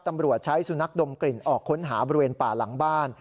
ตำรวจใช้สุนัขดมกลิ่นออกค้นหาบริเวณป่าหลังบ้าน